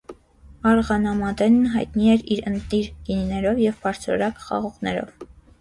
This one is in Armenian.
Արղանամադենն հայտնի էր իր ընտիր գինիներով և բարձրորակ խաղողներով։